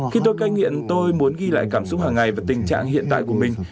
khi tôi cai nghiện tôi muốn ghi lại cảm xúc hàng ngày và tình trạng hiện tại của mình